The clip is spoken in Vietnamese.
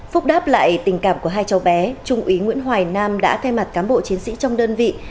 phúc đáp lại tình cảm của hai cháu bé trung úy nguyễn hoài nam đã thay mặt cán bộ chiến sĩ trong đơn vị